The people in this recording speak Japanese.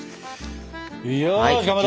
よしかまど。